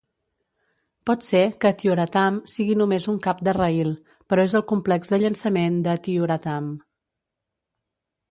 Pot ser que Tyuratam sigui només un cap de raïl, però és el complex de llançament de Tyuratam.